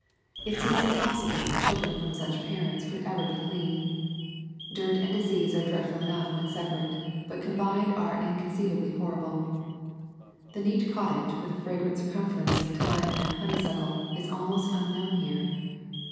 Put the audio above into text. It seems impossible that children from such [ 109 ] A Thousand Mile W alk parents could ever be clean. Dirt and dis ease are dreadful enough when separate, but combined are inconceivably horrible. The neat cottage with a fragrant circumference of thyme and honeysuckle is almost unknown here.